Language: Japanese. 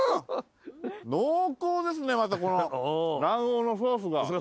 濃厚ですねまたこの卵黄のソースが。